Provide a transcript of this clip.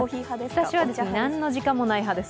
私は何の時間もない派です